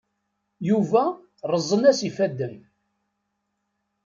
Yuba rrẓen-as yifadden.